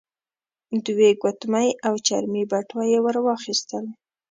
دوې ګوتمۍ او چرمې بټوه يې ور واخيستل.